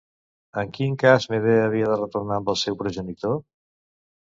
En quin cas Medea havia de retornar amb el seu progenitor?